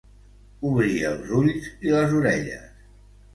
Obrir els ulls i les orelles.